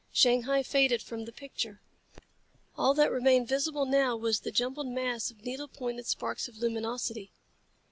Shanghai faded from the picture. All that remained visible now was the jumbled mass of needle pointed sparks of luminosity.